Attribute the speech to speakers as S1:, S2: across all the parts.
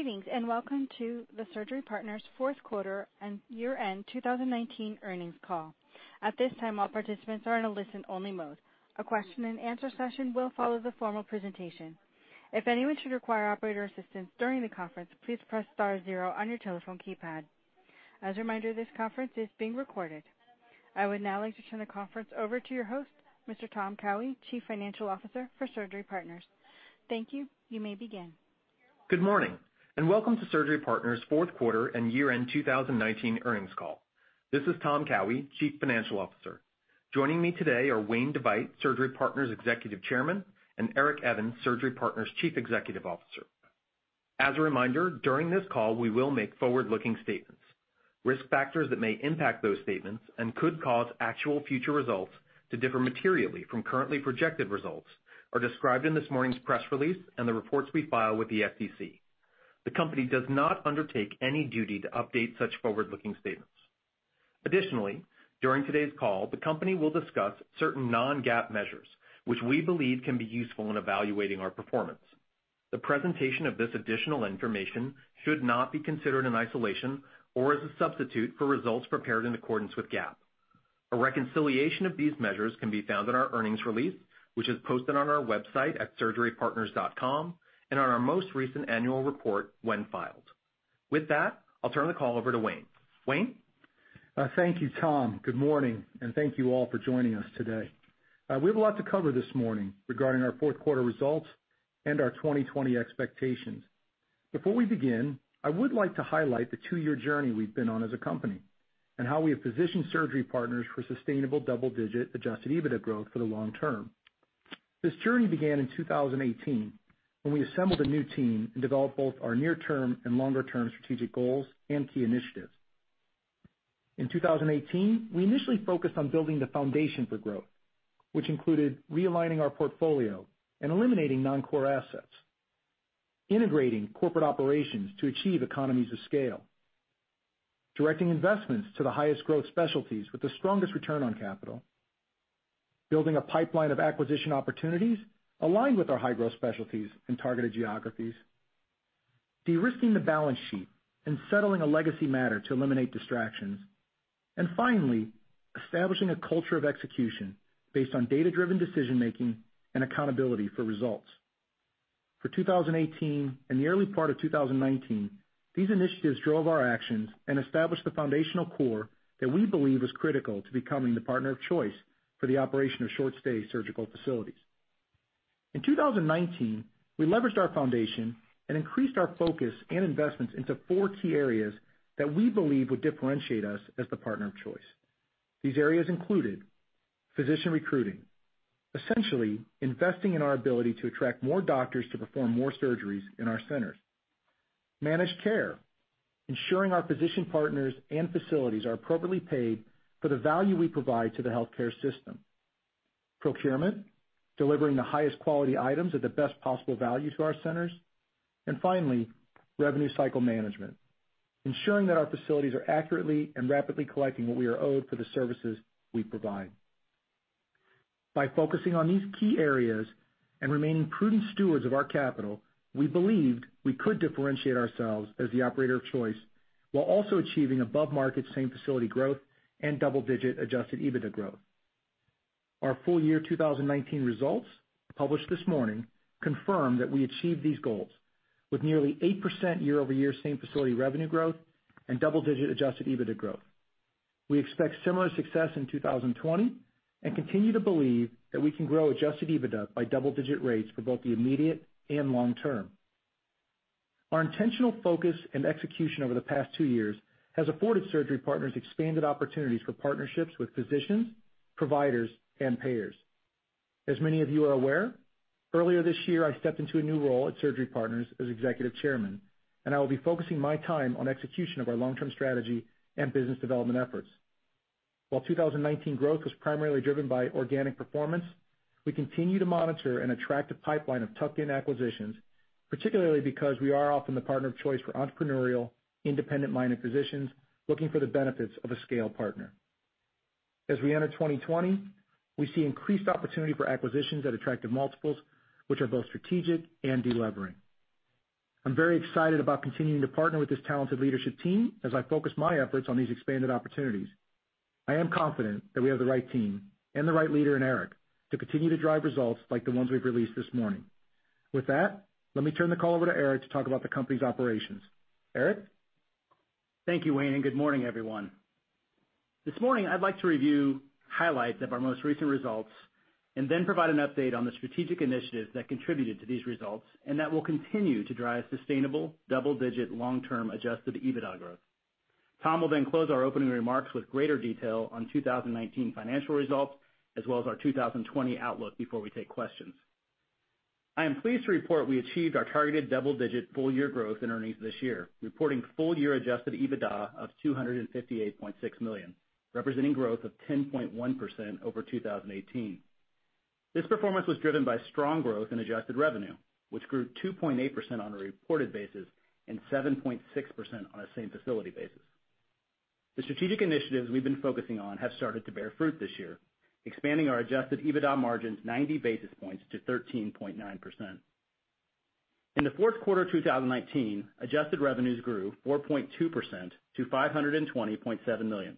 S1: Greetings, and welcome to the Surgery Partners' fourth quarter and year-end 2019 earnings call. At this time, all participants are in a listen-only mode. A question-and-answer session will follow the formal presentation. If anyone should require operator assistance during the conference, please press star zero on your telephone keypad. As a reminder, this conference is being recorded. I would now like to turn the conference over to your host, Mr. Tom Cowhey, Chief Financial Officer for Surgery Partners. Thank you. You may begin.
S2: Good morning, and welcome to Surgery Partners' fourth quarter and year-end 2019 earnings call. This is Tom Cowhey, Chief Financial Officer. Joining me today are Wayne DeVeydt, Surgery Partners' Executive Chairman, and Eric Evans, Surgery Partners' Chief Executive Officer. As a reminder, during this call, we will make forward-looking statements. Risk factors that may impact those statements and could cause actual future results to differ materially from currently projected results are described in this morning's press release and the reports we file with the SEC. The company does not undertake any duty to update such forward-looking statements. Additionally, during today's call, the company will discuss certain non-GAAP measures which we believe can be useful in evaluating our performance. The presentation of this additional information should not be considered in isolation or as a substitute for results prepared in accordance with GAAP. A reconciliation of these measures can be found in our earnings release, which is posted on our website at surgerypartners.com and on our most recent annual report when filed. With that, I'll turn the call over to Wayne. Wayne?
S3: Thank you, Tom. Good morning, and thank you all for joining us today. We have a lot to cover this morning regarding our fourth quarter results and our 2020 expectations. Before we begin, I would like to highlight the two-year journey we've been on as a company, and how we have positioned Surgery Partners for sustainable double-digit adjusted EBITDA growth for the long term. This journey began in 2018, when we assembled a new team and developed both our near-term and longer-term strategic goals and key initiatives. In 2018, we initially focused on building the foundation for growth, which included realigning our portfolio and eliminating non-core assets, integrating corporate operations to achieve economies of scale, directing investments to the highest growth specialties with the strongest return on capital, building a pipeline of acquisition opportunities aligned with our high-growth specialties and targeted geographies, de-risking the balance sheet and settling a legacy matter to eliminate distractions, and finally, establishing a culture of execution based on data-driven decision-making and accountability for results. For 2018 and the early part of 2019, these initiatives drove our actions and established the foundational core that we believe is critical to becoming the partner of choice for the operation of short-stay surgical facilities. In 2019, we leveraged our foundation and increased our focus and investments into four key areas that we believe would differentiate us as the partner of choice. These areas included physician recruiting, essentially investing in our ability to attract more doctors to perform more surgeries in our centers. Managed care, ensuring our physician partners and facilities are appropriately paid for the value we provide to the healthcare system. Procurement, delivering the highest quality items at the best possible value to our centers. Finally, revenue cycle management, ensuring that our facilities are accurately and rapidly collecting what we are owed for the services we provide. By focusing on these key areas and remaining prudent stewards of our capital, we believed we could differentiate ourselves as the operator of choice while also achieving above-market same-facility growth and double-digit adjusted EBITDA growth. Our full year 2019 results, published this morning, confirm that we achieved these goals with nearly 8% year-over-year same-facility revenue growth and double-digit adjusted EBITDA growth. We expect similar success in 2020 and continue to believe that we can grow adjusted EBITDA by double-digit rates for both the immediate and long term. Our intentional focus and execution over the past two years has afforded Surgery Partners expanded opportunities for partnerships with physicians, providers, and payers. As many of you are aware, earlier this year, I stepped into a new role at Surgery Partners as Executive Chairman, and I will be focusing my time on execution of our long-term strategy and business development efforts. While 2019 growth was primarily driven by organic performance, we continue to monitor an attractive pipeline of tuck-in acquisitions, particularly because we are often the partner of choice for entrepreneurial, independent-minded physicians looking for the benefits of a scale partner. As we enter 2020, we see increased opportunity for acquisitions at attractive multiples, which are both strategic and de-levering. I'm very excited about continuing to partner with this talented leadership team as I focus my efforts on these expanded opportunities. I am confident that we have the right team and the right leader in Eric to continue to drive results like the ones we've released this morning. Let me turn the call over to Eric to talk about the company's operations. Eric?
S4: Thank you, Wayne, and good morning, everyone. This morning, I'd like to review highlights of our most recent results and then provide an update on the strategic initiatives that contributed to these results and that will continue to drive sustainable double-digit long-term adjusted EBITDA growth. Tom will then close our opening remarks with greater detail on 2019 financial results, as well as our 2020 outlook before we take questions. I am pleased to report we achieved our targeted double-digit full-year growth in earnings this year, reporting full-year adjusted EBITDA of $258.6 million, representing growth of 10.1% over 2018. This performance was driven by strong growth in adjusted revenue, which grew 2.8% on a reported basis and 7.6% on a same-facility basis. The strategic initiatives we've been focusing on have started to bear fruit this year, expanding our adjusted EBITDA margins 90 basis points to 13.9%. In the fourth quarter 2019, adjusted revenues grew 4.2% to $520.7 million,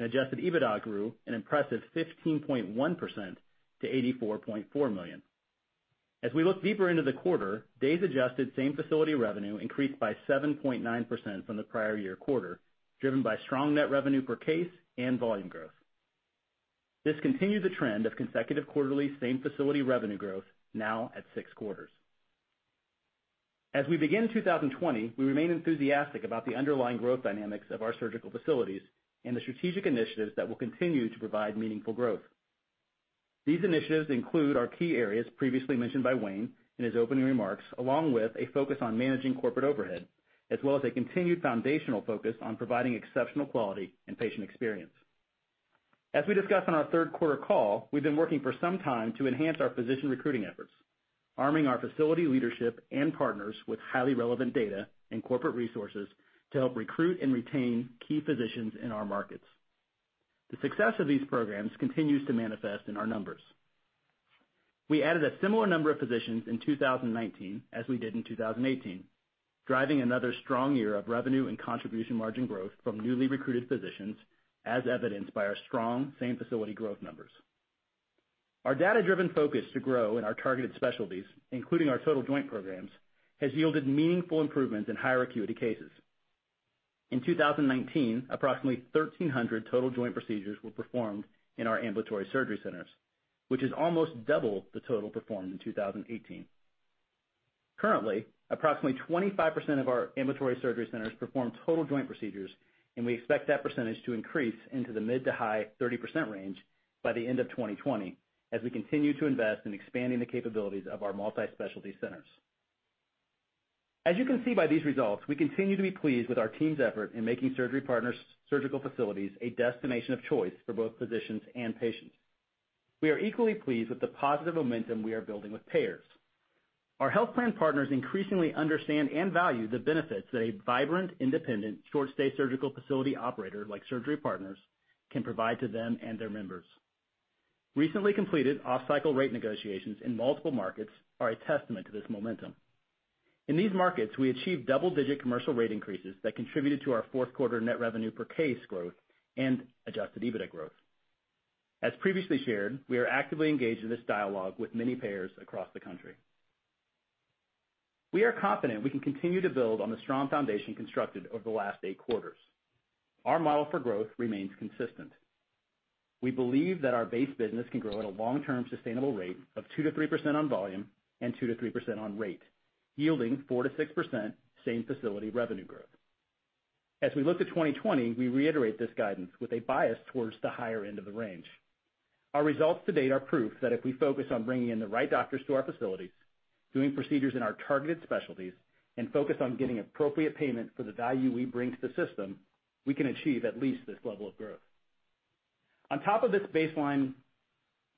S4: and adjusted EBITDA grew an impressive 15.1% to $84.4 million. As we look deeper into the quarter, days adjusted same facility revenue increased by 7.9% from the prior year quarter, driven by strong net revenue per case and volume growth. This continued the trend of consecutive quarterly same facility revenue growth now at six quarters. As we begin 2020, we remain enthusiastic about the underlying growth dynamics of our surgical facilities and the strategic initiatives that will continue to provide meaningful growth. These initiatives include our key areas previously mentioned by Wayne in his opening remarks, along with a focus on managing corporate overhead, as well as a continued foundational focus on providing exceptional quality and patient experience. As we discussed on our third quarter call, we've been working for some time to enhance our physician recruiting efforts, arming our facility leadership and partners with highly relevant data and corporate resources to help recruit and retain key physicians in our markets. The success of these programs continues to manifest in our numbers. We added a similar number of physicians in 2019 as we did in 2018, driving another strong year of revenue and contribution margin growth from newly recruited physicians, as evidenced by our strong same facility growth numbers. Our data-driven focus to grow in our targeted specialties, including our total joint programs, has yielded meaningful improvements in higher acuity cases. In 2019, approximately 1,300 total joint procedures were performed in our Ambulatory Surgery Centers, which is almost double the total performed in 2018. Currently, approximately 25% of our Ambulatory Surgery Centers perform total joint procedures, and we expect that percentage to increase into the mid to high 30% range by the end of 2020 as we continue to invest in expanding the capabilities of our multi-specialty centers. As you can see by these results, we continue to be pleased with our team's effort in making Surgery Partners' surgical facilities a destination of choice for both physicians and patients. We are equally pleased with the positive momentum we are building with payers. Our health plan partners increasingly understand and value the benefits that a vibrant, independent, short-stay surgical facility operator like Surgery Partners can provide to them and their members. Recently completed off-cycle rate negotiations in multiple markets are a testament to this momentum. In these markets, we achieved double-digit commercial rate increases that contributed to our fourth quarter net revenue per case growth and adjusted EBITDA growth. As previously shared, we are actively engaged in this dialogue with many payers across the country. We are confident we can continue to build on the strong foundation constructed over the last eight quarters. Our model for growth remains consistent. We believe that our base business can grow at a long-term sustainable rate of 2%-3% on volume and 2%-3% on rate, yielding 4%-6% same facility revenue growth. As we look to 2020, we reiterate this guidance with a bias towards the higher end of the range. Our results to date are proof that if we focus on bringing in the right doctors to our facilities, doing procedures in our targeted specialties, and focus on getting appropriate payment for the value we bring to the system, we can achieve at least this level of growth. On top of this baseline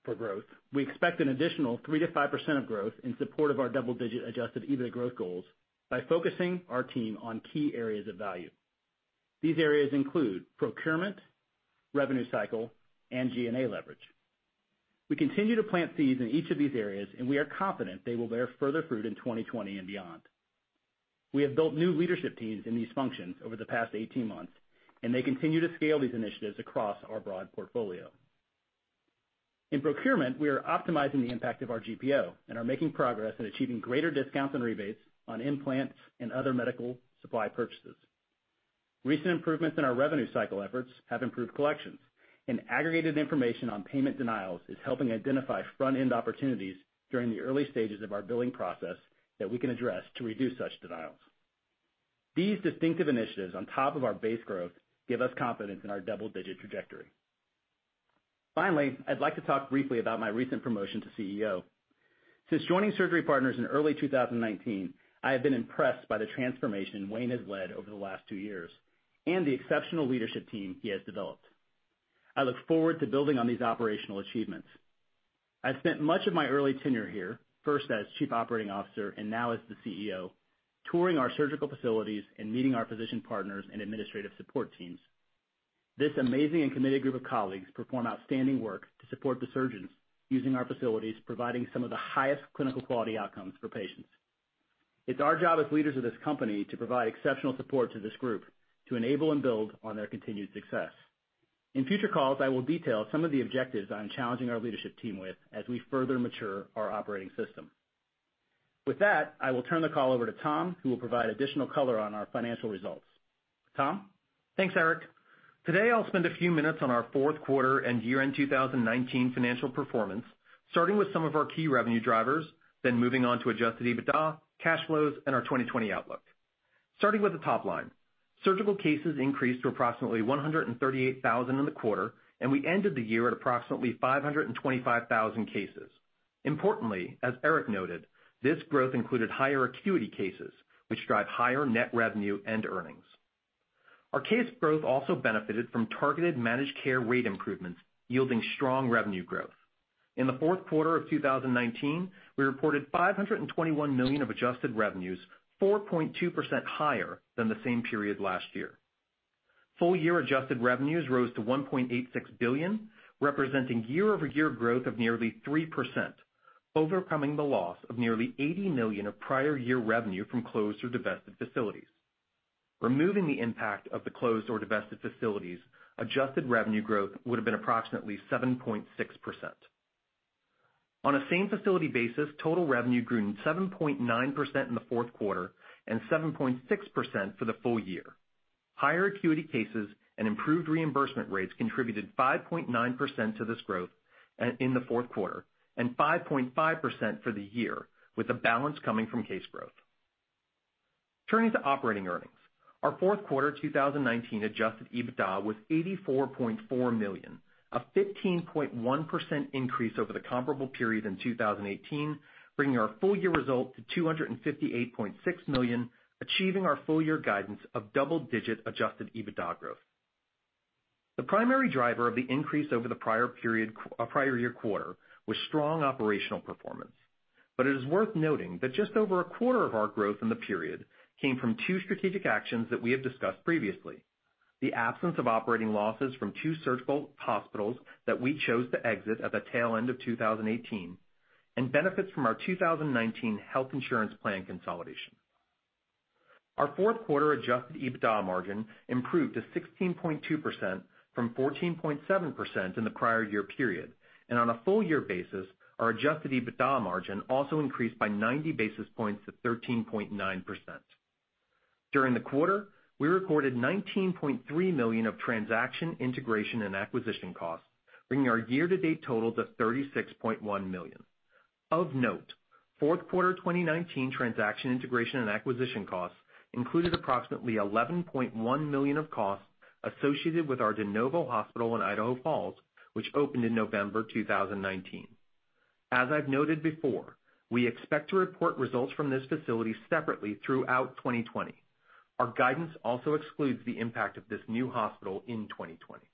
S4: for growth, we expect an additional 3%-5% of growth in support of our double-digit adjusted EBITDA growth goals by focusing our team on key areas of value. These areas include procurement, revenue cycle, and G&A leverage. We continue to plant seeds in each of these areas, and we are confident they will bear further fruit in 2020 and beyond. We have built new leadership teams in these functions over the past 18 months, and they continue to scale these initiatives across our broad portfolio. In procurement, we are optimizing the impact of our GPO and are making progress in achieving greater discounts and rebates on implants and other medical supply purchases. Recent improvements in our revenue cycle efforts have improved collections, and aggregated information on payment denials is helping identify front-end opportunities during the early stages of our billing process that we can address to reduce such denials. These distinctive initiatives on top of our base growth give us confidence in our double-digit trajectory. Finally, I'd like to talk briefly about my recent promotion to CEO. Since joining Surgery Partners in early 2019, I have been impressed by the transformation Wayne has led over the last two years and the exceptional leadership team he has developed. I look forward to building on these operational achievements. I spent much of my early tenure here, first as Chief Operating Officer and now as the CEO, touring our surgical facilities and meeting our physician partners and administrative support teams. This amazing and committed group of colleagues perform outstanding work to support the surgeons using our facilities, providing some of the highest clinical quality outcomes for patients. It's our job as leaders of this company to provide exceptional support to this group to enable and build on their continued success. In future calls, I will detail some of the objectives I'm challenging our leadership team with as we further mature our operating system. With that, I will turn the call over to Tom, who will provide additional color on our financial results. Tom?
S2: Thanks, Eric. Today, I'll spend a few minutes on our fourth quarter and year-end 2019 financial performance, starting with some of our key revenue drivers, then moving on to adjusted EBITDA, cash flows, and our 2020 outlook. Starting with the top line, surgical cases increased to approximately 138,000 in the quarter, and we ended the year at approximately 525,000 cases. Importantly, as Eric noted, this growth included higher acuity cases, which drive higher net revenue and earnings. Our case growth also benefited from targeted managed care rate improvements, yielding strong revenue growth. In the fourth quarter of 2019, we reported $521 million of adjusted revenues, 4.2% higher than the same period last year. Full year adjusted revenues rose to $1.86 billion, representing year-over-year growth of nearly 3%, overcoming the loss of nearly $80 million of prior year revenue from closed or divested facilities. Removing the impact of the closed or divested facilities, adjusted revenue growth would've been approximately 7.6%. On a same facility basis, total revenue grew 7.9% in the fourth quarter and 7.6% for the full year. Higher acuity cases and improved reimbursement rates contributed 5.9% to this growth in the fourth quarter and 5.5% for the year, with the balance coming from case growth. Turning to operating earnings, our fourth quarter 2019 adjusted EBITDA was $84.4 million, a 15.1% increase over the comparable period in 2018, bringing our full year result to $258.6 million, achieving our full year guidance of double-digit adjusted EBITDA growth. The primary driver of the increase over the prior year quarter was strong operational performance. It is worth noting that just over a quarter of our growth in the period came from two strategic actions that we have discussed previously. The absence of operating losses from two surgical hospitals that we chose to exit at the tail end of 2018, and benefits from our 2019 health insurance plan consolidation. Our fourth quarter adjusted EBITDA margin improved to 16.2% from 14.7% in the prior year period, and on a full year basis, our adjusted EBITDA margin also increased by 90 basis points to 13.9%. During the quarter, we recorded $19.3 million of transaction, integration, and acquisition costs, bringing our year to date total to $36.1 million. Of note, fourth quarter 2019 transaction integration and acquisition costs included approximately $11.1 million of costs associated with our de novo hospital in Idaho Falls, which opened in November 2019. As I've noted before, we expect to report results from this facility separately throughout 2020. Our guidance also excludes the impact of this new hospital in 2020.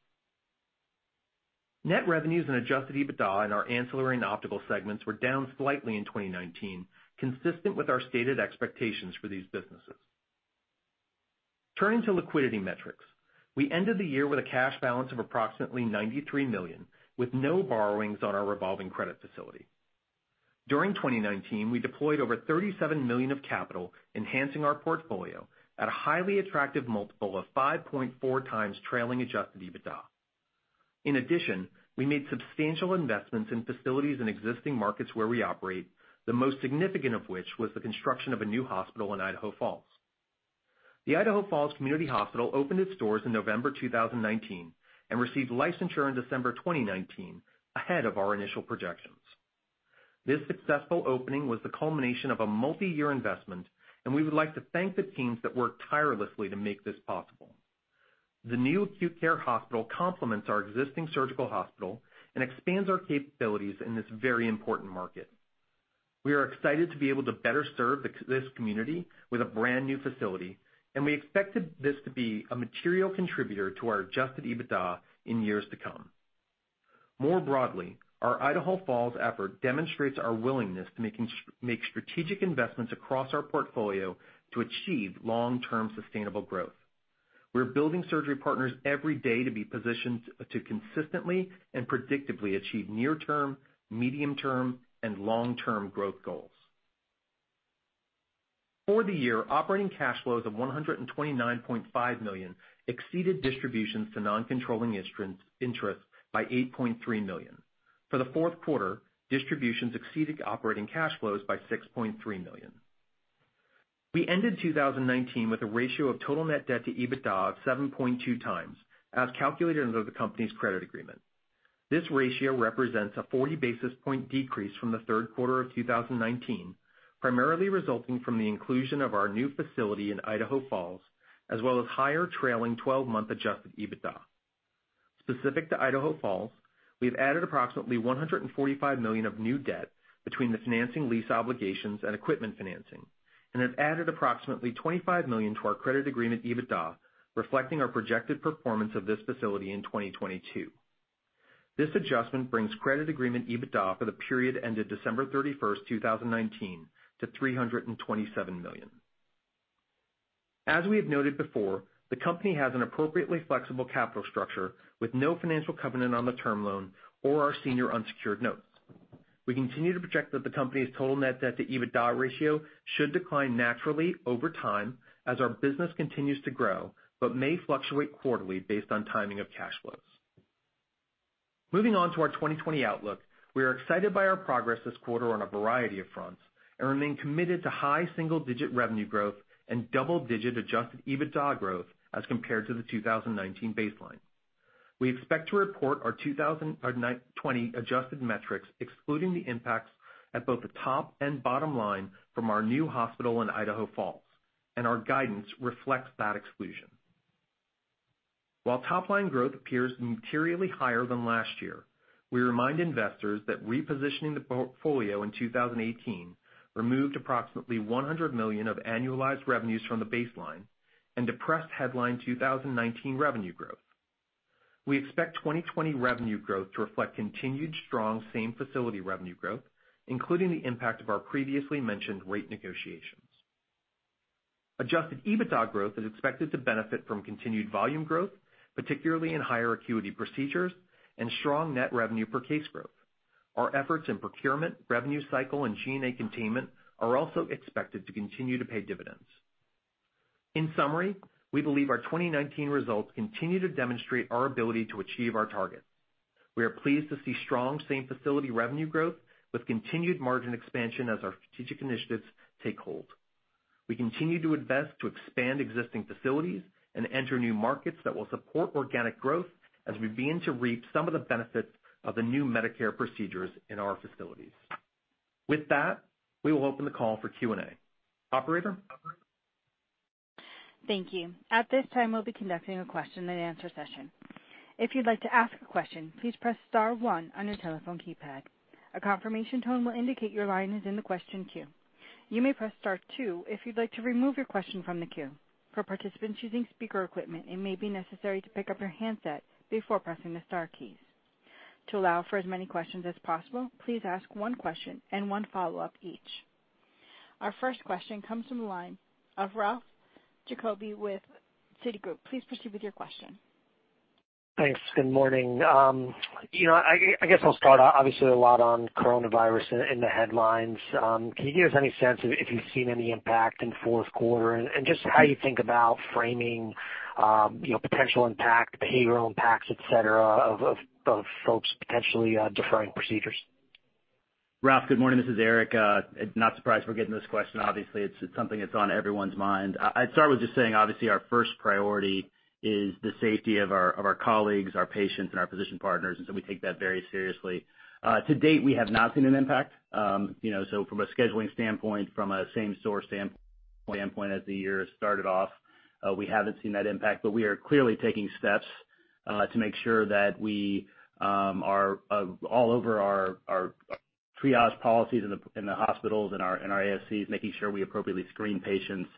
S2: Net revenues and adjusted EBITDA in our ancillary and optical segments were down slightly in 2019, consistent with our stated expectations for these businesses. Turning to liquidity metrics, we ended the year with a cash balance of approximately $193 million, with no borrowings on our revolving credit facility. During 2019, we deployed over $37 million of capital enhancing our portfolio at a highly attractive multiple of 5.4x trailing adjusted EBITDA. In addition, we made substantial investments in facilities in existing markets where we operate, the most significant of which was the construction of a new hospital in Idaho Falls. The Idaho Falls Community Hospital opened its doors in November 2019 and received licensure in December 2019, ahead of our initial projections. This successful opening was the culmination of a multi-year investment, and we would like to thank the teams that worked tirelessly to make this possible. The new acute care hospital complements our existing surgical hospital and expands our capabilities in this very important market. We are excited to be able to better serve this community with a brand new facility, and we expected this to be a material contributor to our adjusted EBITDA in years to come. More broadly, our Idaho Falls effort demonstrates our willingness to make strategic investments across our portfolio to achieve long-term sustainable growth. We're building Surgery Partners every day to be positioned to consistently and predictably achieve near term, medium term, and long-term growth goals. For the year, operating cash flows of $129.5 million exceeded distributions to non-controlling interests by $8.3 million. For the fourth quarter, distributions exceeded operating cash flows by $6.3 million. We ended 2019 with a ratio of total net debt to EBITDA of 7.2x as calculated under the company's credit agreement. This ratio represents a 40 basis point decrease from the third quarter of 2019, primarily resulting from the inclusion of our new facility in Idaho Falls, as well as higher trailing 12-month adjusted EBITDA. Specific to Idaho Falls, we've added approximately $145 million of new debt between the financing lease obligations and equipment financing and have added approximately $25 million to our credit agreement EBITDA, reflecting our projected performance of this facility in 2022. This adjustment brings credit agreement EBITDA for the period ended December 31st, 2019, to $327 million. As we have noted before, the company has an appropriately flexible capital structure with no financial covenant on the term loan or our senior unsecured notes. We continue to project that the company's total net debt to EBITDA ratio should decline naturally over time as our business continues to grow but may fluctuate quarterly based on timing of cash flows. Moving on to our 2020 outlook. We are excited by our progress this quarter on a variety of fronts and remain committed to high single-digit revenue growth and double-digit adjusted EBITDA growth as compared to the 2019 baseline. We expect to report our 2020 adjusted metrics excluding the impacts at both the top and bottom line from our new hospital in Idaho Falls, and our guidance reflects that exclusion. While top-line growth appears materially higher than last year, we remind investors that repositioning the portfolio in 2018 removed approximately $100 million of annualized revenues from the baseline. Depressed headline 2019 revenue growth. We expect 2020 revenue growth to reflect continued strong same facility revenue growth, including the impact of our previously mentioned rate negotiations. Adjusted EBITDA growth is expected to benefit from continued volume growth, particularly in higher acuity procedures and strong net revenue per case growth. Our efforts in procurement, revenue cycle, and G&A containment are also expected to continue to pay dividends. In summary, we believe our 2019 results continue to demonstrate our ability to achieve our targets. We are pleased to see strong same facility revenue growth with continued margin expansion as our strategic initiatives take hold. We continue to invest to expand existing facilities and enter new markets that will support organic growth as we begin to reap some of the benefits of the new Medicare procedures in our facilities. With that, we will open the call for Q&A. Operator?
S1: Thank you. At this time, we'll be conducting a question-and-answer session. If you'd like to ask a question, please press star one on your telephone keypad. A confirmation tone will indicate your line is in the question queue. You may press star two if you'd like to remove your question from the queue. For participants using speaker equipment, it may be necessary to pick up your handset before pressing the star keys. To allow for as many questions as possible, please ask one question and one follow-up each. Our first question comes from the line of Ralph Giacobbe with Citigroup. Please proceed with your question.
S5: Thanks. Good morning. I guess I'll start. Obviously, a lot on coronavirus in the headlines. Can you give us any sense if you've seen any impact in fourth quarter and just how you think about framing potential impact, payroll impacts, et cetera, of folks potentially deferring procedures?
S4: Ralph, good morning. This is Eric. Not surprised we're getting this question. It's something that's on everyone's mind. I'd start with just saying, obviously, our first priority is the safety of our colleagues, our patients, and our physician partners, we take that very seriously. To date, we have not seen an impact. From a scheduling standpoint, from a same source standpoint, as the year started off, we haven't seen that impact, we are clearly taking steps to make sure that we are all over our triage policies in the hospitals and our ASCs, making sure we appropriately screen patients.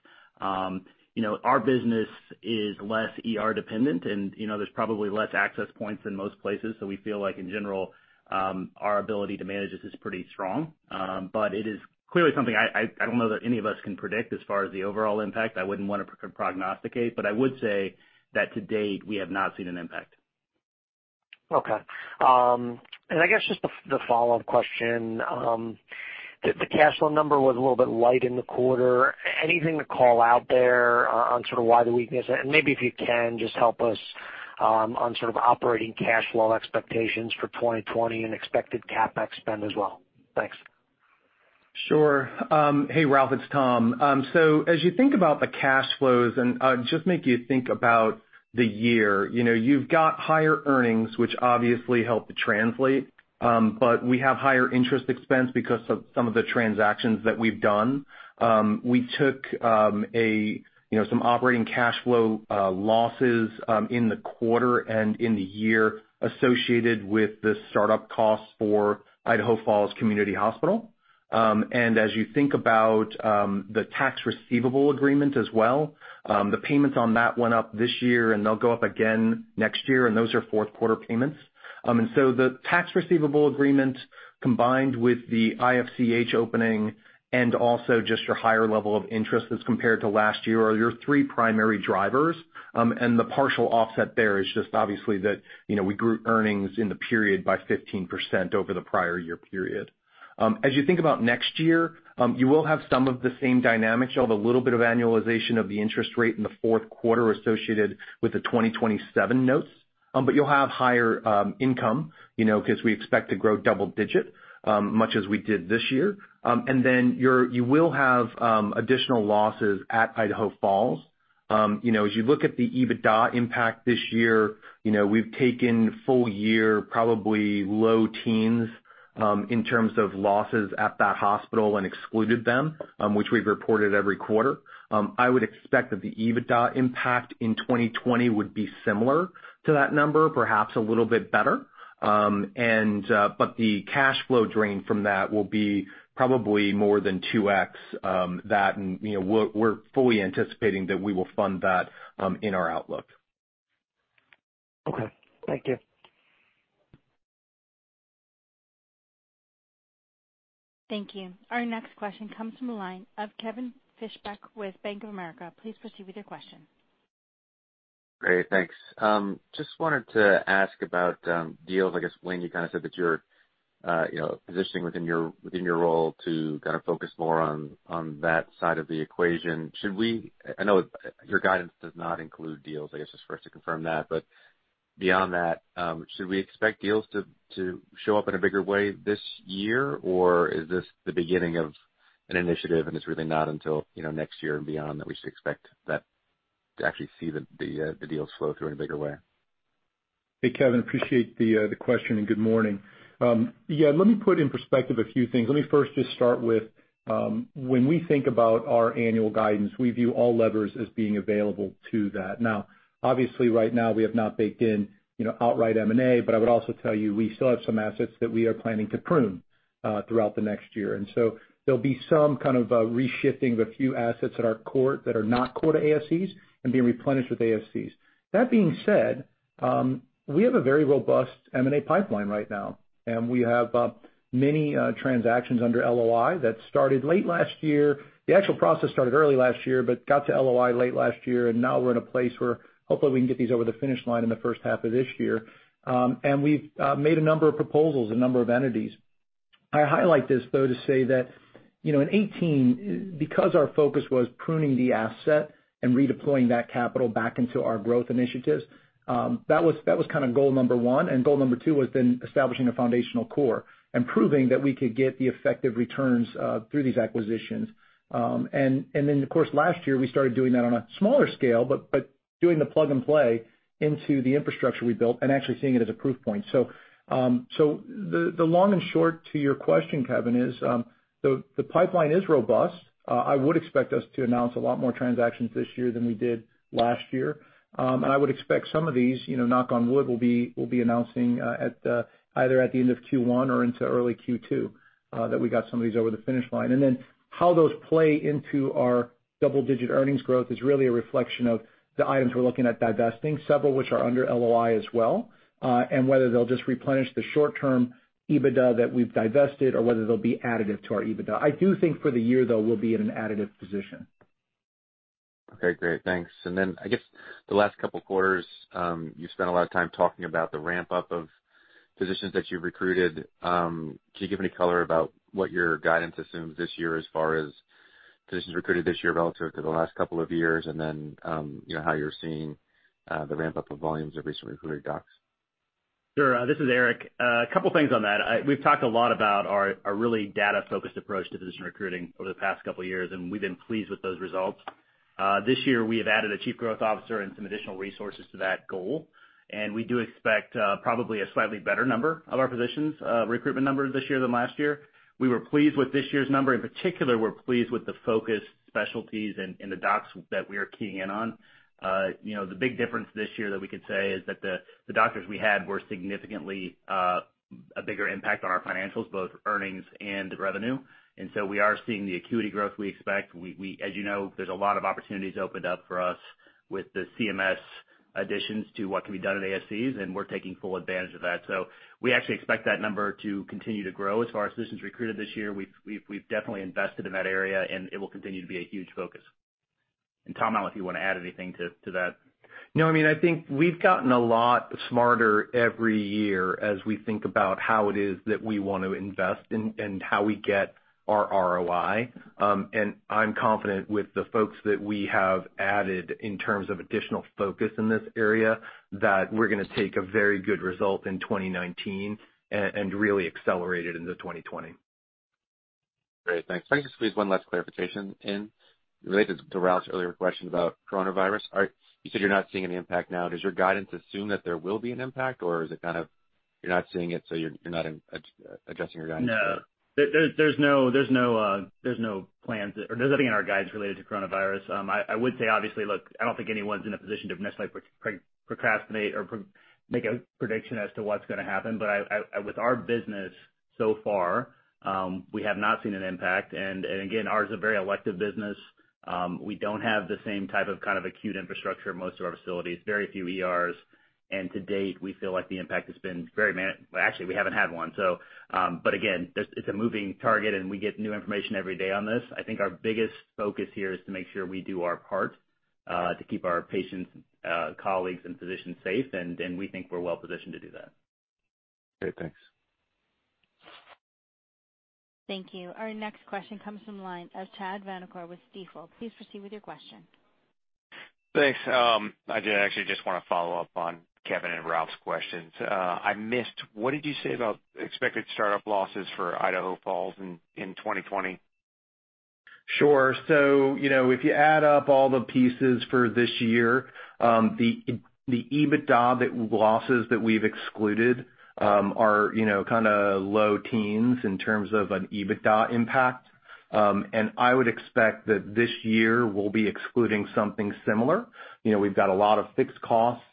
S4: Our business is less ER dependent, there's probably less access points than most places. We feel like, in general, our ability to manage this is pretty strong. It is clearly something I don't know that any of us can predict as far as the overall impact. I wouldn't want to prognosticate, but I would say that to date, we have not seen an impact.
S5: Okay. I guess just the follow-up question. The cash flow number was a little bit light in the quarter. Anything to call out there on why the weakness? Maybe if you can, just help us on operating cash flow expectations for 2020 and expected CapEx spend as well. Thanks.
S2: Sure. Hey, Ralph, it's Tom. As you think about the cash flows, and just make you think about the year, you've got higher earnings, which obviously help to translate. We have higher interest expense because of some of the transactions that we've done. We took some operating cash flow losses in the quarter and in the year associated with the startup costs for Idaho Falls Community Hospital. As you think about the Tax Receivable Agreement as well, the payments on that went up this year, and they'll go up again next year, and those are fourth quarter payments. The Tax Receivable Agreement, combined with the IFCH opening and also just your higher level of interest as compared to last year, are your three primary drivers. The partial offset there is just obviously that we grew earnings in the period by 15% over the prior year period. As you think about next year, you will have some of the same dynamics. You'll have a little bit of annualization of the interest rate in the fourth quarter associated with the 2027 notes. You'll have higher income, because we expect to grow double-digit, much as we did this year. You will have additional losses at Idaho Falls. As you look at the EBITDA impact this year, we've taken full year, probably low-teens, in terms of losses at that hospital and excluded them, which we've reported every quarter. I would expect that the EBITDA impact in 2020 would be similar to that number, perhaps a little bit better. The cash flow drain from that will be probably more than 2x that. We're fully anticipating that we will fund that in our outlook.
S5: Okay. Thank you.
S1: Thank you. Our next question comes from the line of Kevin Fischbeck with Bank of America. Please proceed with your question.
S6: Great. Thanks. Just wanted to ask about deals. I guess, Wayne, you kind of said that you're positioning within your role to kind of focus more on that side of the equation. I know your guidance does not include deals, I guess just for us to confirm that. Beyond that, should we expect deals to show up in a bigger way this year, or is this the beginning of an initiative and it's really not until next year and beyond that we should expect to actually see the deals flow through in a bigger way?
S3: Hey, Kevin, appreciate the question, and good morning. Let me put in perspective a few things. Let me first just start with, when we think about our annual guidance, we view all levers as being available to that. Obviously, right now we have not baked in outright M&A. I would also tell you we still have some assets that we are planning to prune. Throughout the next year. There'll be some kind of a reshifting of a few assets that are core, that are not core to ASCs and being replenished with ASCs. That being said, we have a very robust M&A pipeline right now, and we have many transactions under LOI that started late last year. The actual process started early last year, but got to LOI late last year. Now we're in a place where hopefully we can get these over the finish line in the first half of this year. We've made a number of proposals, a number of entities. I highlight this, though, to say that, in 2018, because our focus was pruning the asset and redeploying that capital back into our growth initiatives, that was goal number one, and goal number two was then establishing a foundational core and proving that we could get the effective returns, through these acquisitions. Of course, last year, we started doing that on a smaller scale, but doing the plug and play into the infrastructure we built and actually seeing it as a proof point. The long and short to your question, Kevin, is, the pipeline is robust. I would expect us to announce a lot more transactions this year than we did last year. I would expect some of these, knock on wood, we'll be announcing either at the end of Q1 or into early Q2, that we got some of these over the finish line. How those play into our double-digit earnings growth is really a reflection of the items we're looking at divesting, several which are under LOI as well, and whether they'll just replenish the short-term EBITDA that we've divested or whether they'll be additive to our EBITDA. I do think for the year, though, we'll be in an additive position.
S6: Okay, great. Thanks. I guess the last couple quarters, you spent a lot of time talking about the ramp-up of physicians that you've recruited. Can you give any color about what your guidance assumes this year as far as physicians recruited this year relative to the last couple of years? How you're seeing the ramp-up of volumes of recently recruited docs?
S4: Sure. This is Eric. A couple things on that. We've talked a lot about our really data-focused approach to physician recruiting over the past couple of years, and we've been pleased with those results. This year, we have added a Chief Growth Officer and some additional resources to that goal, and we do expect probably a slightly better number of our physicians recruitment numbers this year than last year. We were pleased with this year's number. In particular, we're pleased with the focus specialties and the docs that we are keying in on. The big difference this year that we could say is that the doctors we had were significantly a bigger impact on our financials, both earnings and revenue. We are seeing the acuity growth we expect. As you know, there's a lot of opportunities opened up for us with the CMS additions to what can be done at ASCs. We're taking full advantage of that. We actually expect that number to continue to grow as far as physicians recruited this year. We've definitely invested in that area. It will continue to be a huge focus. Tom, I don't know if you want to add anything to that.
S2: No, I think we've gotten a lot smarter every year as we think about how it is that we want to invest and how we get our ROI. I'm confident with the folks that we have added in terms of additional focus in this area, that we're going to take a very good result in 2019 and really accelerate it into 2020.
S6: Great. Thanks. Can I just squeeze one last clarification in related to Ralph's earlier question about coronavirus? You said you're not seeing any impact now. Does your guidance assume that there will be an impact, or is it kind of you're not seeing it, so you're not adjusting your guidance there?
S4: No. There's nothing in our guides related to coronavirus. I would say, obviously, look, I don't think anyone's in a position to necessarily procrastinate or make a prediction as to what's going to happen. With our business so far, we have not seen an impact. Again, ours is a very elective business. We don't have the same type of acute infrastructure at most of our facilities, very few ERs. To date, we feel like the impact has been well, actually, we haven't had one. Again, it's a moving target, and we get new information every day on this. I think our biggest focus here is to make sure we do our part, to keep our patients, colleagues, and physicians safe, and we think we're well positioned to do that.
S6: Great. Thanks.
S1: Thank you. Our next question comes from the line of Chad Vanacore with Stifel. Please proceed with your question.
S7: Thanks. I actually just want to follow up on Kevin and Ralph's questions. I missed, what did you say about expected startup losses for Idaho Falls in 2020?
S2: Sure. If you add up all the pieces for this year, the EBITDA losses that we've excluded are low-teens in terms of an EBITDA impact. I would expect that this year we'll be excluding something similar. We've got a lot of fixed costs.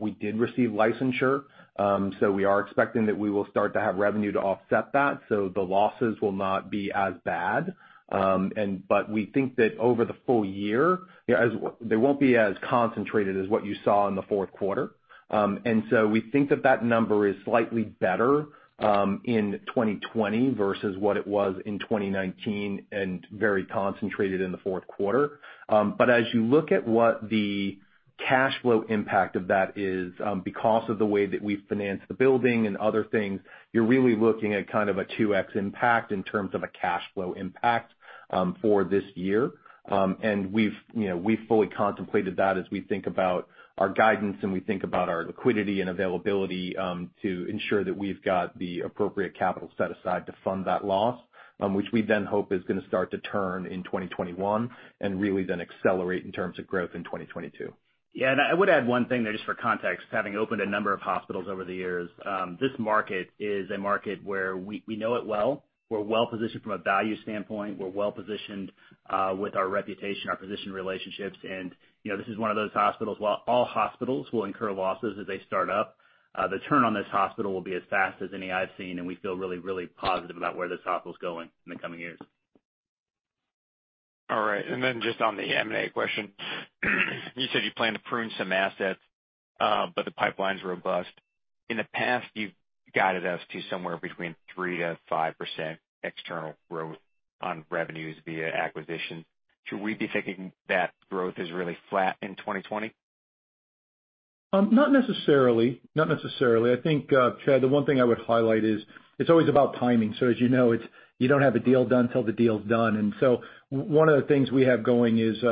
S2: We did receive licensure, so we are expecting that we will start to have revenue to offset that, so the losses will not be as bad. We think that over the full year, they won't be as concentrated as what you saw in the fourth quarter. We think that that number is slightly better, in 2020 versus what it was in 2019 and very concentrated in the fourth quarter. As you look at what the cash flow impact of that is, because of the way that we financed the building and other things, you're really looking at kind of a 2x impact in terms of a cash flow impact for this year. We've fully contemplated that as we think about our guidance and we think about our liquidity and availability to ensure that we've got the appropriate capital set aside to fund that loss. Which we then hope is going to start to turn in 2021 and really then accelerate in terms of growth in 2022.
S4: Yeah, I would add one thing there just for context, having opened a number of hospitals over the years. This market is a market where we know it well. We're well-positioned from a value standpoint. We're well-positioned with our reputation, our physician relationships, and this is one of those hospitals, while all hospitals will incur losses as they start up, the turn on this hospital will be as fast as any I've seen, and we feel really positive about where this hospital's going in the coming years.
S7: All right. Then just on the M&A question, you said you plan to prune some assets, the pipeline's robust. In the past, you've guided us to somewhere between 3%-5% external growth on revenues via acquisition. Should we be thinking that growth is really flat in 2020?
S3: Not necessarily. I think, Chad, the one thing I would highlight is it's always about timing. As you know, you don't have a deal done till the deal's done. One of the things we have going is,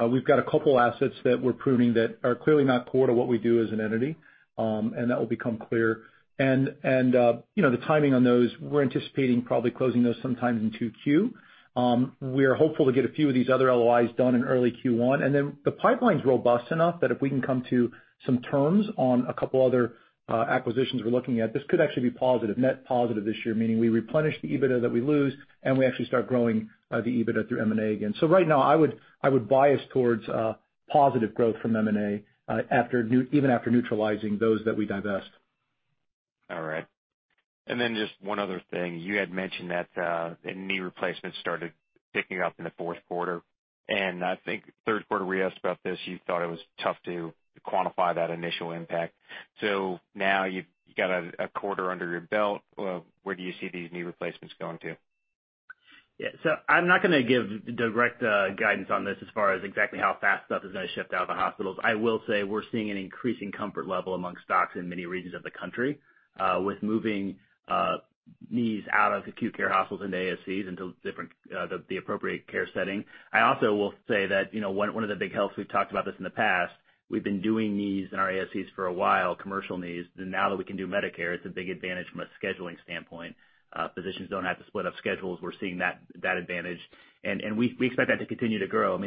S3: we've got a couple assets that we're pruning that are clearly not core to what we do as an entity, and that will become clear. The timing on those, we're anticipating probably closing those sometime in 2Q. We are hopeful to get a few of these other LOIs done in early Q1, and then the pipeline's robust enough that if we can come to some terms on a couple other acquisitions we're looking at, this could actually be net positive this year, meaning we replenish the EBITDA that we lose and we actually start growing the EBITDA through M&A again. Right now, I would bias towards positive growth from M&A, even after neutralizing those that we divest.
S7: All right. Just one other thing, you had mentioned that knee replacements started picking up in the fourth quarter. I think third quarter we asked about this, you thought it was tough to quantify that initial impact. Now you've got a quarter under your belt. Where do you see these knee replacements going to?
S4: Yeah. I'm not going to give direct guidance on this as far as exactly how fast stuff is going to shift out of the hospitals. I will say we're seeing an increasing comfort level amongst docs in many regions of the country, with moving knees out of acute care hospitals into ASCs into the appropriate care setting. I also will say that one of the big helps, we've talked about this in the past, we've been doing knees in our ASCs for a while, commercial knees. Now that we can do Medicare, it's a big advantage from a scheduling standpoint. Physicians don't have to split up schedules. We're seeing that advantage, and we expect that to continue to grow.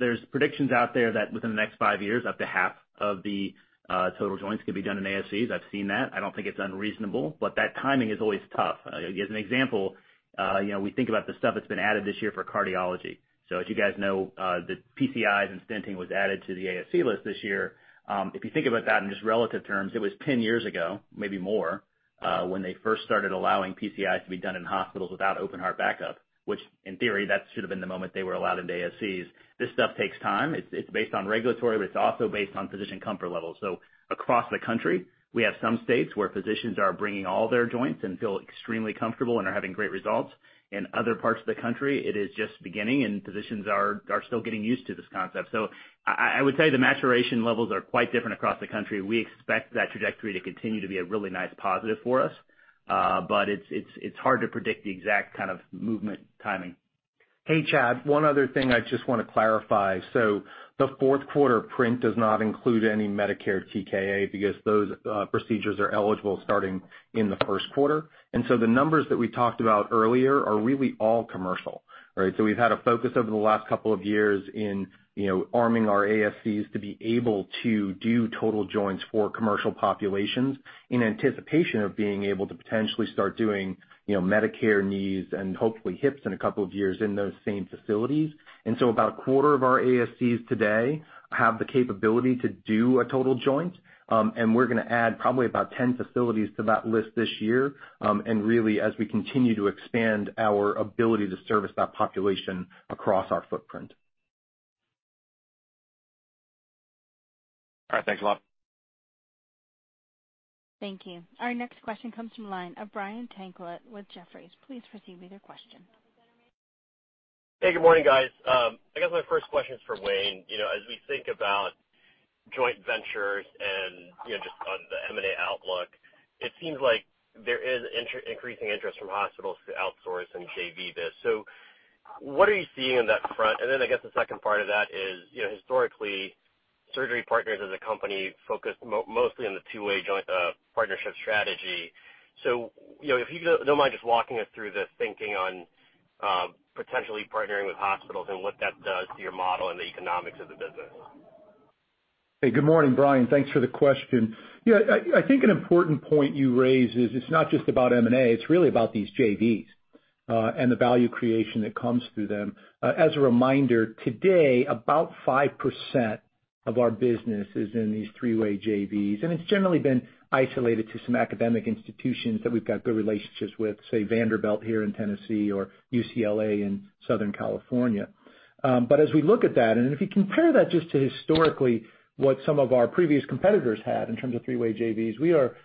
S4: There's predictions out there that within the next five years, up to half of the total joints could be done in ASCs. I've seen that. I don't think it's unreasonable, but that timing is always tough. As an example, we think about the stuff that's been added this year for cardiology. As you guys know, the PCIs and stenting was added to the ASC list this year. If you think about that in just relative terms, it was 10 years ago, maybe more, when they first started allowing PCIs to be done in hospitals without open heart backup, which in theory, that should've been the moment they were allowed into ASCs. This stuff takes time. It's based on regulatory, but it's also based on physician comfort levels. Across the country, we have some states where physicians are bringing all their joints and feel extremely comfortable and are having great results. In other parts of the country, it is just beginning and physicians are still getting used to this concept. I would say the maturation levels are quite different across the country. We expect that trajectory to continue to be a really nice positive for us. It's hard to predict the exact kind of movement timing.
S3: Hey, Chad, one other thing I just want to clarify. The fourth quarter print does not include any Medicare TKA because those procedures are eligible starting in the first quarter. The numbers that we talked about earlier are really all commercial. We've had a focus over the last couple of years in arming our ASCs to be able to do total joints for commercial populations in anticipation of being able to potentially start doing Medicare knees and hopefully hips in a couple of years in those same facilities. About a quarter of our ASCs today have the capability to do a total joint. We're going to add probably about 10 facilities to that list this year, and really as we continue to expand our ability to service that population across our footprint.
S7: All right, thanks a lot.
S1: Thank you. Our next question comes from the line of Brian Tanquilut with Jefferies. Please proceed with your question.
S8: Hey, good morning, guys. I guess my first question is for Wayne. As we think about joint ventures and just on the M&A outlook, it seems like there is increasing interest from hospitals to outsource and JV this. What are you seeing on that front? Then I guess the second part of that is, historically, Surgery Partners as a company focused mostly on the two-way joint partnership strategy. If you don't mind just walking us through the thinking on potentially partnering with hospitals and what that does to your model and the economics of the business.
S3: Hey, good morning, Brian. Thanks for the question. I think an important point you raise is it's not just about M&A, it's really about these JVs, and the value creation that comes through them. As a reminder, today, about 5% of our business is in these three-way JVs, and it's generally been isolated to some academic institutions that we've got good relationships with, say Vanderbilt here in Tennessee or UCLA in Southern California. As we look at that, and if you compare that just to historically what some of our previous competitors had in terms of three-way JVs, we are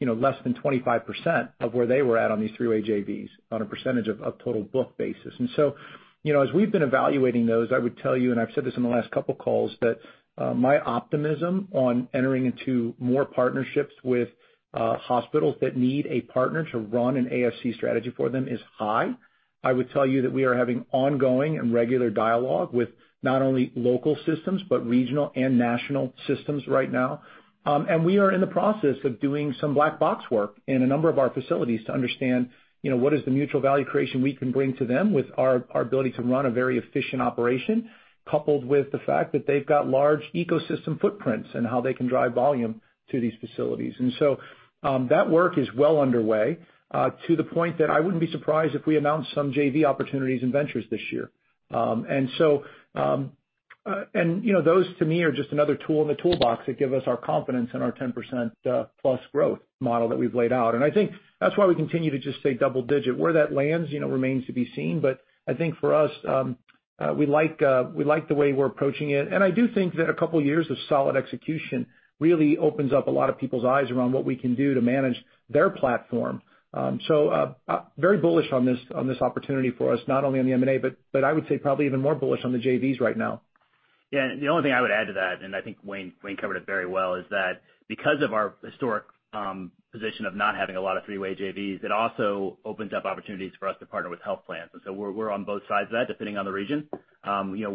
S3: less than 25% of where they were at on these three-way JVs on a percentage of total book basis. As we've been evaluating those, I would tell you, and I've said this in the last couple of calls, that my optimism on entering into more partnerships with hospitals that need a partner to run an ASC strategy for them is high. I would tell you that we are having ongoing and regular dialogue with not only local systems, but regional and national systems right now. We are in the process of doing some black box work in a number of our facilities to understand what is the mutual value creation we can bring to them with our ability to run a very efficient operation, coupled with the fact that they've got large ecosystem footprints and how they can drive volume to these facilities. That work is well underway, to the point that I wouldn't be surprised if we announced some JV opportunities and ventures this year. Those to me are just another tool in the toolbox that give us our confidence in our 10%+ growth model that we've laid out. I think that's why we continue to just say double-digit. Where that lands, remains to be seen. I think for us, we like the way we're approaching it. I do think that a couple of years of solid execution really opens up a lot of people's eyes around what we can do to manage their platform. Very bullish on this opportunity for us, not only on the M&A, but I would say probably even more bullish on the JVs right now.
S4: Yeah, the only thing I would add to that, and I think Wayne covered it very well, is that because of our historic position of not having a lot of three-way JVs, it also opens up opportunities for us to partner with health plans. We're on both sides of that, depending on the region.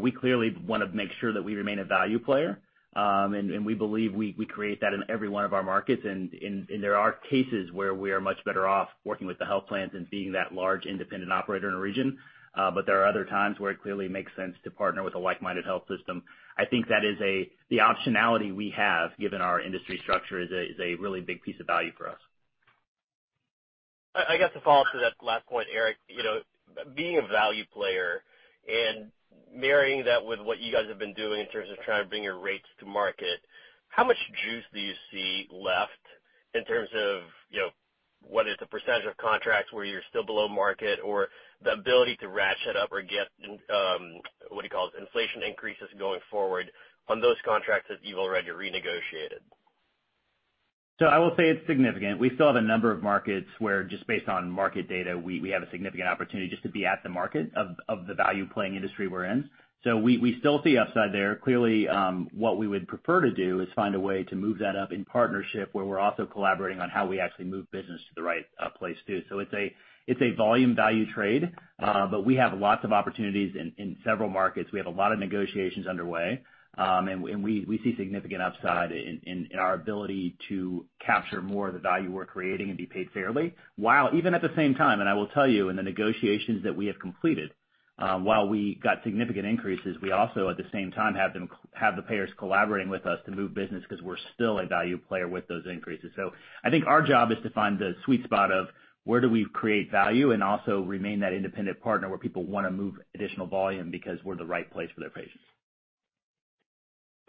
S4: We clearly want to make sure that we remain a value player. We believe we create that in every one of our markets. There are cases where we are much better off working with the health plans than being that large independent operator in a region. There are other times where it clearly makes sense to partner with a like-minded health system. I think that is the optionality we have, given our industry structure, is a really big piece of value for us.
S8: I guess to follow up to that last point, Eric. Being a value player and marrying that with what you guys have been doing in terms of trying to bring your rates to market, how much juice do you see left in terms of what is the percentage of contracts where you're still below market or the ability to ratchet up or get, what do you call it, inflation increases going forward on those contracts that you've already renegotiated?
S4: I will say it's significant. We still have a number of markets where just based on market data, we have a significant opportunity just to be at the market of the value playing industry we're in. We still see upside there. Clearly, what we would prefer to do is find a way to move that up in partnership where we're also collaborating on how we actually move business to the right place, too. It's a volume value trade. We have lots of opportunities in several markets. We have a lot of negotiations underway. We see significant upside in our ability to capture more of the value we're creating and be paid fairly. Even at the same time, I will tell you, in the negotiations that we have completed, while we got significant increases, we also, at the same time, have the payers collaborating with us to move business because we're still a value player with those increases. I think our job is to find the sweet spot of where do we create value and also remain that independent partner where people want to move additional volume because we're the right place for their patients.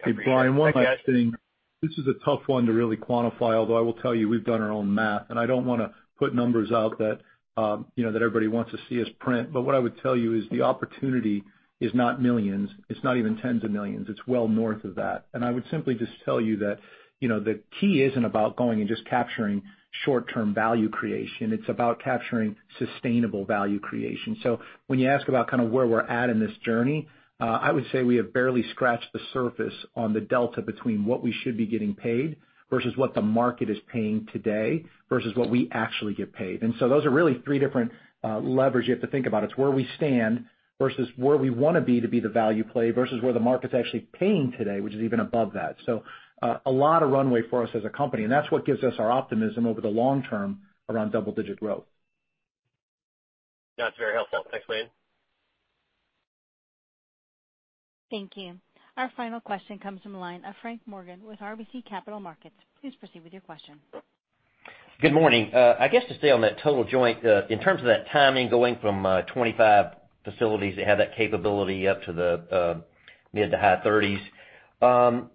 S3: Hey, Brian, one last thing. This is a tough one to really quantify, although I will tell you we've done our own math, and I don't want to put numbers out that everybody wants to see as print. What I would tell you is the opportunity is not millions. It's not even tens of millions. It's well north of that. I would simply just tell you that the key isn't about going and just capturing short-term value creation. It's about capturing sustainable value creation. When you ask about where we're at in this journey, I would say we have barely scratched the surface on the delta between what we should be getting paid versus what the market is paying today versus what we actually get paid. Those are really three different levers you have to think about. It's where we stand versus where we want to be, to be the value play versus where the market's actually paying today, which is even above that. A lot of runway for us as a company, and that's what gives us our optimism over the long term around double-digit growth.
S8: That's very helpful. Thanks, Wayne.
S1: Thank you. Our final question comes from the line of Frank Morgan with RBC Capital Markets. Please proceed with your question.
S9: Good morning. I guess to stay on that total joint. In terms of that timing going from 25 facilities that have that capability up to the mid to high-30s,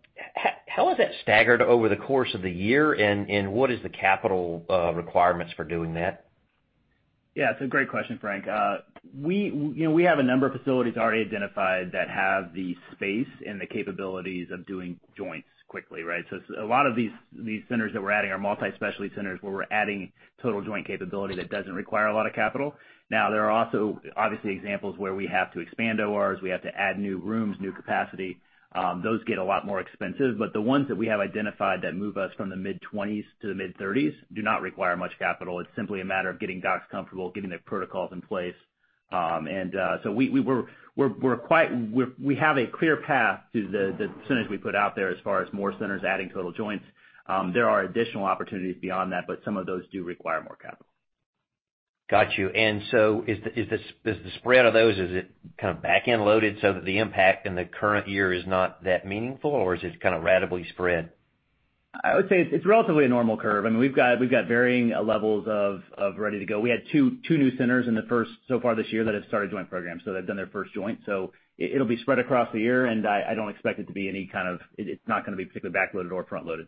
S9: how has that staggered over the course of the year, and what is the capital requirements for doing that?
S4: Yeah, it's a great question, Frank. We have a number of facilities already identified that have the space and the capabilities of doing joints quickly, right? A lot of these centers that we're adding are multi-specialty centers, where we're adding total joint capability that doesn't require a lot of capital. There are also obviously examples where we have to expand ORs, we have to add new rooms, new capacity. Those get a lot more expensive. The ones that we have identified that move us from the mid-20s to the mid-30s do not require much capital. It's simply a matter of getting docs comfortable, getting their protocols in place. We have a clear path to the centers we put out there as far as more centers adding total joints. There are additional opportunities beyond that, some of those do require more capital.
S9: Got you. Does the spread of those, is it kind of back-end loaded so that the impact in the current year is not that meaningful, or is it kind of ratably spread?
S4: I would say it's relatively a normal curve. I mean, we've got varying levels of ready to go. We had two new centers in the first, so far this year, that have started joint programs. They've done their first joint. It'll be spread across the year. I don't expect it to be particularly back-loaded or front-loaded.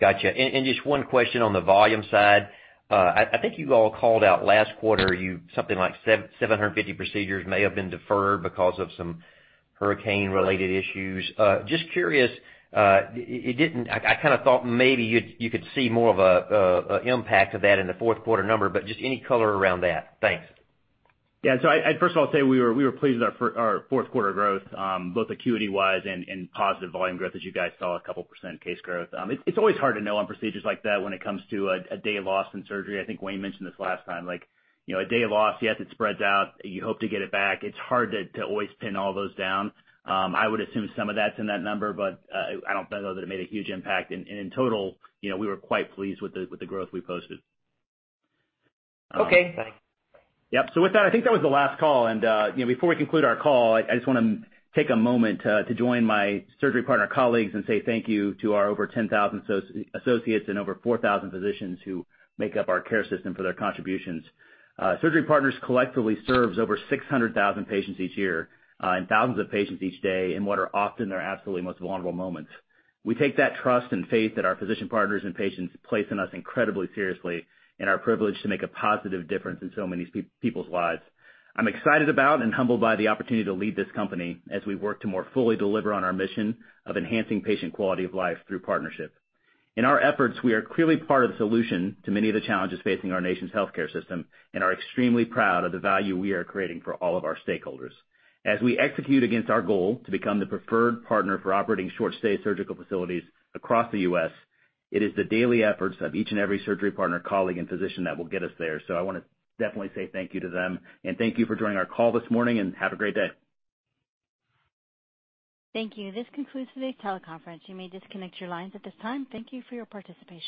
S9: Got you. Just one question on the volume side. I think you all called out last quarter, something like 750 procedures may have been deferred because of some hurricane-related issues. Just curious, I kind of thought maybe you could see more of an impact of that in the fourth quarter number, but just any color around that. Thanks.
S4: I'd first of all say we were pleased with our fourth quarter growth, both acuity-wise and positive volume growth, as you guys saw a couple of percent case growth. It's always hard to know on procedures like that when it comes to a day of loss in surgery. I think Wayne mentioned this last time, like a day of loss, yes, it spreads out. You hope to get it back. It's hard to always pin all those down. I would assume some of that's in that number, but I don't know that it made a huge impact. In total, we were quite pleased with the growth we posted.
S9: Okay, thanks.
S4: Yep. With that, I think that was the last call. Before we conclude our call, I just want to take a moment to join my Surgery Partners colleagues and say thank you to our over 10,000 associates and over 4,000 physicians who make up our care system for their contributions. Surgery Partners collectively serves over 600,000 patients each year and thousands of patients each day in what are often their absolutely most vulnerable moments. We take that trust and faith that our physician partners and patients place in us incredibly seriously and are privileged to make a positive difference in so many people's lives. I'm excited about and humbled by the opportunity to lead this company as we work to more fully deliver on our mission of enhancing patient quality of life through partnership. In our efforts, we are clearly part of the solution to many of the challenges facing our nation's healthcare system and are extremely proud of the value we are creating for all of our stakeholders. As we execute against our goal to become the preferred partner for operating short-stay surgical facilities across the U.S., it is the daily efforts of each and every Surgery Partners colleague and physician that will get us there. I want to definitely say thank you to them and thank you for joining our call this morning, and have a great day.
S1: Thank you. This concludes today's teleconference. You may disconnect your lines at this time. Thank you for your participation.